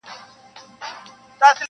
شمعي زما پر اوښکو که پر ځان راسره وژړل-